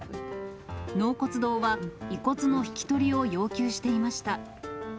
納骨堂は遺骨の引き取りを要求していました。